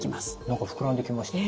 何か膨らんできました。